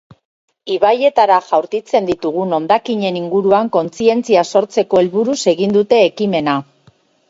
Ibaietara jaurtitzen ditugun hondakinen inguruan kontzientzia sortzeko helburuz egin dute ekimena.